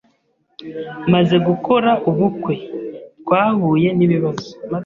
Maze gukora ubukwe, twahuye n’ibibazo